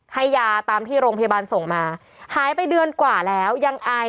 ให้ยาตามที่โรงพยาบาลส่งมาหายไปเดือนกว่าแล้วยังอาย